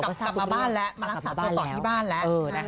กลับมาบ้านแล้วมารักษาตัวต่อที่บ้านแล้ว